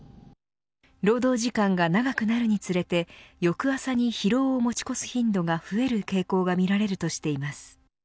労働時間が長くなるにつれて翌朝に疲労を持ち越す頻度が増える傾向が見られるとしています。